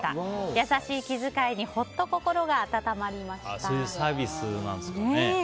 優しい気遣いにそういうサービスなんですかね。